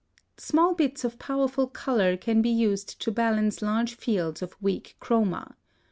+ (165) Small bits of powerful color can be used to balance large fields of weak chroma.